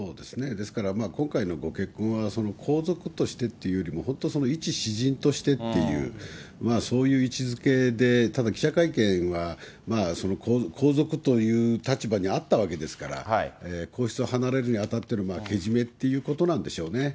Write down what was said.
ですから、今回のご結婚は、皇族としてというよりも、本当、一私人としてという、そういう位置づけで、ただ記者会見は皇族という立場にあったわけですから、皇室を離れるにあたってのけじめっていうことなんでしょうね。